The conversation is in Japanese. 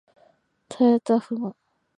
たやたふま